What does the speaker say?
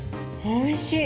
おいしい。